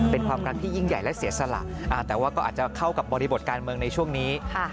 เป็นความรักที่ยิ่งใหญ่และเสียสละแต่ว่าก็อาจจะเข้ากับบริบทการเมืองในช่วงนี้